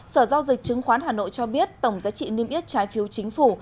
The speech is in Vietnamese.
sở giao dịch chứng khoán hà nội cho biết tổng giá trị niêm yết trái phiếu chính phủ